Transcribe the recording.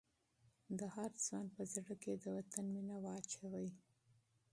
د هر ځوان په زړه کې د وطن مینه واچوئ.